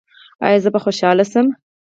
ایا زه به هم خوشحاله شم؟